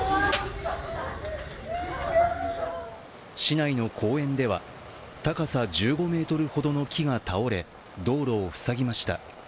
市内の公園では高さ１５ｍほどの木が倒れ道路を塞ぎました。